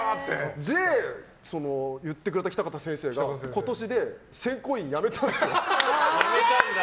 言ってくれた北方先生が今年で選考委員をやめたんですよ。